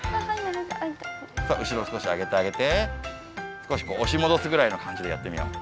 そう後ろを少し上げてあげて少しこう押しもどすぐらいの感じでやってみよう。